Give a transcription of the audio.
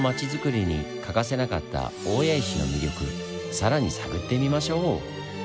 更に探ってみましょう！